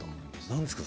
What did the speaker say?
何ですか？